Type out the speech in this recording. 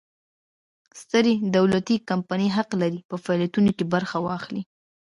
سترې دولتي کمپنۍ حق لري په فعالیتونو کې برخه واخلي.